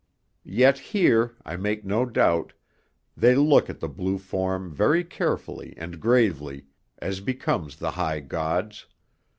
Yet here, I make no doubt, they look at the Blue Form very carefully and gravely, as becomes the High Gods.